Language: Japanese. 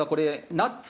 ナッツ？